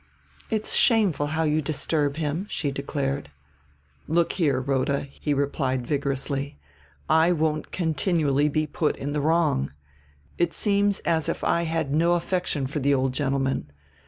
"It's shameful how you disturb him," she declared. "Look here, Rhoda," he replied vigorously. "I won't continually be put in the wrong. It seems as if I had no affection for the old gentleman.